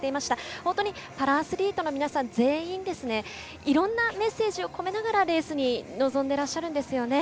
本当にパラアスリートの皆さん全員いろんなメッセージをこめながらレースに臨んでいらっしゃるんですよね。